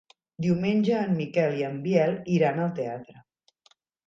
Diumenge en Miquel i en Biel iran al teatre.